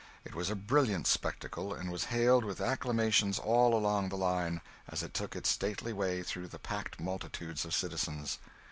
It was a brilliant spectacle, and was hailed with acclamations all along the line, as it took its stately way through the packed multitudes of citizens.